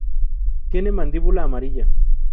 Tiene mandíbula amarilla.